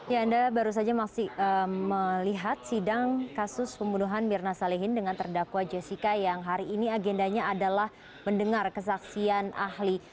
ya anda baru saja masih melihat sidang kasus pembunuhan mirna salihin dengan terdakwa jessica yang hari ini agendanya adalah mendengar kesaksian ahli